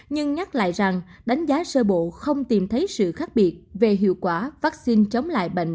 nhưng nhắc lại rằng đánh giá sơ bộ không tìm thấy sự khác biệt về hiệu quả vaccine chống lại bệnh